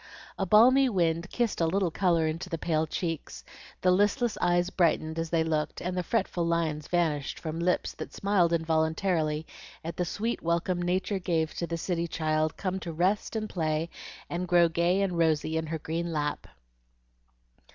A balmy wind kissed a little color into the pale cheeks, the listless eyes brightened as they looked, and the fretful lines vanished from lips that smiled involuntarily at the sweet welcome Nature gave the city child come to rest and play and grow gay and rosy in her green lap.